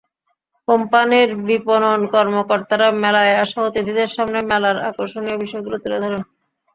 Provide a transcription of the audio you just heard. কোম্পানির বিপণন কর্মকর্তারা মেলায় আসা অতিথিদের সামনে মেলার আকর্ষণীয় বিষয়গুলো তুলে ধরেন।